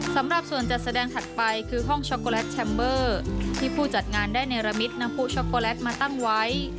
สำหรับส่วนจัดแสดงถัดไปคือห้องช็อกโกแลตแชมเบอร์ที่ผู้จัดงานได้เนรมิตนำผู้ช็อกโกแลตมาตั้งไว้